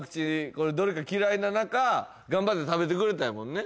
これどれか嫌いな中頑張って食べてくれたんやもんね